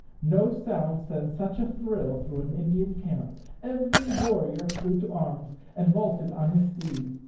No sound sends such a thrill through an Indian camp. Every warrior flew to arms, and vaulted on his steed.